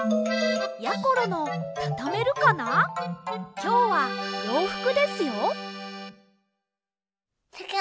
きょうはようふくですよ。